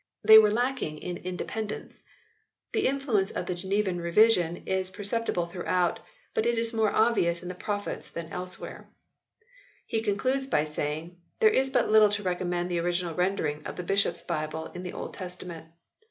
They were lacking in independ ence: "The influence of the Genevan revision is perceptible throughout, but it is more obvious in the Prophets than elsewhere/ He concludes by saying, "There is but little to recommend the original render ings of the Bishops Bible in the Old Testament.